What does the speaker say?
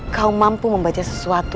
kau mampu membaca sesuatu